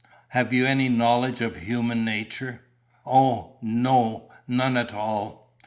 "Have you any knowledge of human nature?" "Oh, no, none at all!"